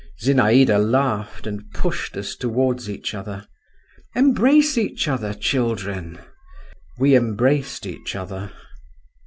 Zinaïda laughed, and pushed us towards each other. "Embrace each other, children!" We embraced each other.